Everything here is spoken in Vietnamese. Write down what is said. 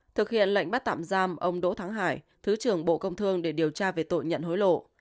thực hiện lệnh bắt tạm giam ông đỗ thắng hải thứ trưởng bộ công thương để điều tra về tội nhận hối lộ